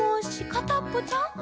かたっぽちゃん？」